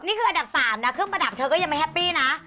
นี่คืออันดับ๓นะเครื่องประดับเธอก็ยังไม่แฮปปี้นะ